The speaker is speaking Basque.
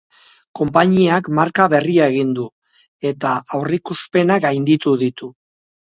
Konpainiak marka berria egin du eta aurrikuspenak gainditu ditu.